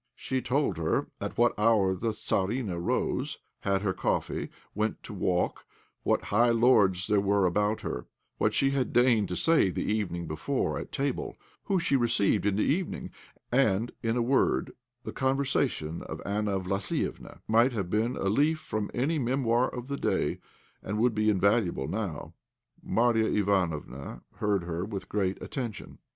She told her at what hour the Tzarina rose, had her coffee, went to walk; what high lords there were about her, what she had deigned to say the evening before at table, who she received in the evening, and, in a word, the conversation of Anna Vlassiéfna might have been a leaf from any memoir of the day, and would be invaluable now. Marya Ivanofna heard her with great attention.